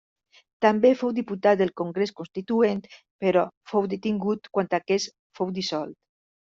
També fou diputat del Congrés Constituent, però fou detingut quan aquest fou dissolt.